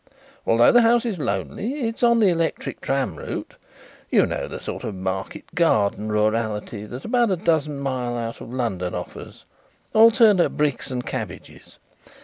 Although the house is lonely it is on the electric tram route. You know the sort of market garden rurality that about a dozen miles out of London offers alternate bricks and cabbages.